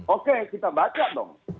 oke kita baca dong